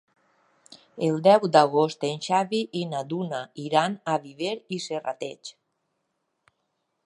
El deu d'agost en Xavi i na Duna iran a Viver i Serrateix.